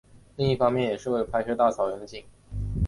另一方面也是为了拍摄大草原的景。